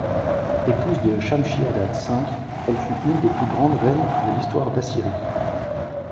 Épouse de Shamshi-Adad V, elle fut une des plus grandes reines de l'histoire d'Assyrie.